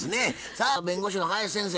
さあ弁護士の林先生